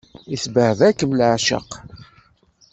Isbehba-kem leɛceq.